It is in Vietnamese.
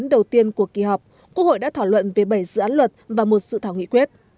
đầu tiên của kỳ họp quốc hội đã thảo luận về bảy dự án luật và một sự thảo nghị quyết